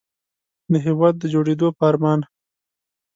د هېواد د جوړېدو په ارمان.